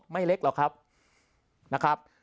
ไม่เล็กหรอกครับ